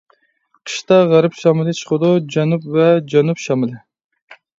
قىشتا غەرب شامىلى چىقىدۇ، جەنۇب ۋە جەنۇب شامىلى.